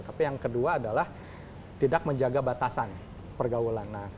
tapi yang kedua adalah tidak menjaga batasan pergaulan